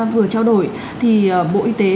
vừa trao đổi thì bộ y tế